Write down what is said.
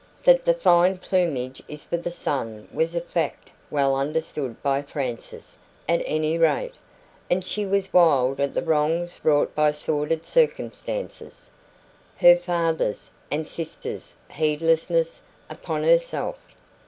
That the fine plumage is for the sun was a fact well understood by Frances, at any rate. And she was wild at the wrongs wrought by sordid circumstances her father's and sister's heedlessness upon herself.